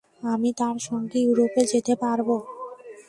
আমি তাঁর সঙ্গে ইউরোপে যেতে পারব।